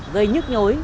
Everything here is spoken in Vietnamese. gây nhức nhối